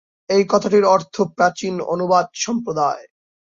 এই কথাটির অর্থ প্রাচীন অনুবাদ সম্প্রদায়।